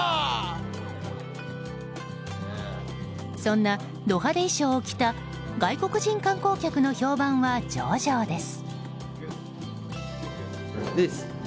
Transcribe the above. そんなド派手衣装を着た外国人観光客の評判は上々です。